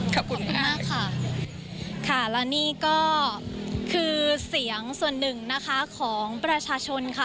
ขอบคุณมากค่ะค่ะและนี่ก็คือเสียงส่วนหนึ่งนะคะของประชาชนค่ะ